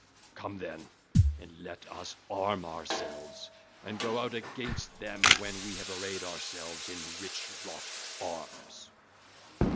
Come, then, and let us arm ourselves and go out against them when we have arrayed ourselves in rich wrought arms.